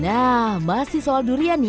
nah masih soal durian nih